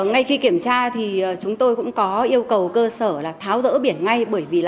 ngay khi kiểm tra thì chúng tôi cũng có yêu cầu cơ sở là tháo rỡ biển ngay